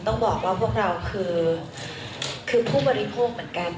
ต้องบอกว่าพวกเราคือผู้บริโภคเหมือนกัน